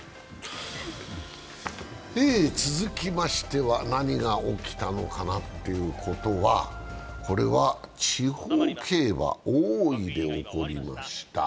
続きましては何が起きたのかなということは、地方競馬大井で起こりました。